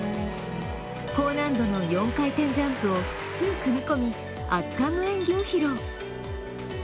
高難度の４回転ジャンプを複数組み込み、圧巻の演技を披露。